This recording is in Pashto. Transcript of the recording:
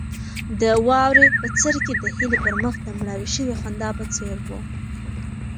د واورې بڅرکي د هیلې پر مخ د مړاوې شوې خندا په څېر وو.